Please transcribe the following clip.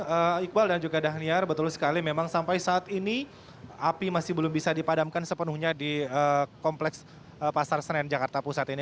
ya iqbal dan juga dhaniar betul sekali memang sampai saat ini api masih belum bisa dipadamkan sepenuhnya di kompleks pasar senen jakarta pusat ini